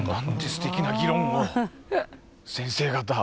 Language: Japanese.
すてきな議論を先生方！